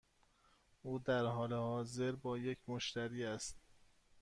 او در حال حاضر با یک مشتری است.